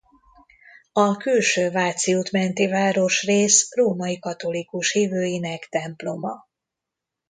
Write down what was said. A Külső Váci út menti városrész római katolikus hívőinek temploma.